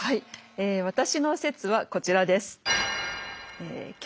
え私の説はこちらです。